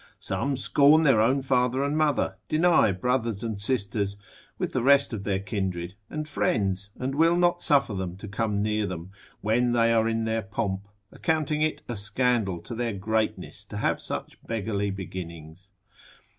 Some scorn their own father and mother, deny brothers and sisters, with the rest of their kindred and friends, and will not suffer them to come near them, when they are in their pomp, accounting it a scandal to their greatness to have such beggarly beginnings.